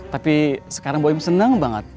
tapi sekarang bu im seneng banget